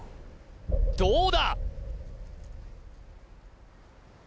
どうだ？